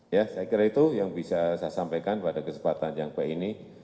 ya saya kira itu yang bisa saya sampaikan pada kesempatan yang baik ini